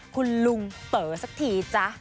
คุณลุงเต๋อสักทีจ๊ะ